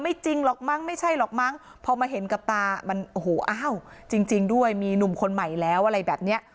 จริงหรอกมั้งไม่ใช่หรอกมั้งพอมาเห็นกับตามันโอ้โหอ้าวจริงด้วยมีหนุ่มคนใหม่แล้วอะไรแบบเนี้ย